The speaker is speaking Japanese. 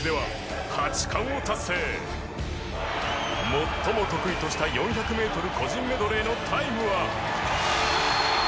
最も得意とした４００メートル個人メドレーのタイムは。